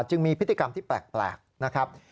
จึงมีพฤติกรรมที่แปลกนะครับ